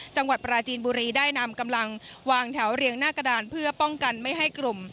จังหวัดปราจีนบุรีได้นำกำลังวางแถวเรียงหน้ากระดานเพื่อป้องกันไม่ให้กลุ่ม